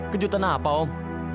kejutan apa om